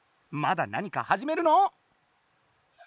まだ何かはじめるの？